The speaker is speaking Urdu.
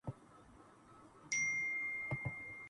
تو پاکستان کی تمام مالی مشکلات بتدریج دور ہوتی جائیں گی۔